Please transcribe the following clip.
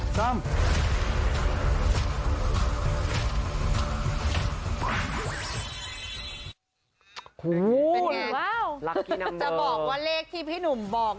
จะบอกว่าเลขที่พี่หนุ่มมาบอก